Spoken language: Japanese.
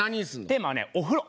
テーマはねお風呂。